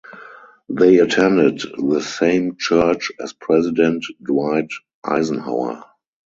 They attended the same church as President Dwight Eisenhower.